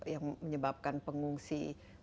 yang menyebabkan pengungsi